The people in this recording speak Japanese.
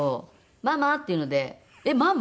「ママ」って言うので「えっママ？」